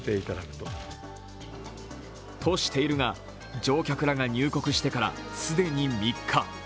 としているが、乗客らが入国してから既に３日。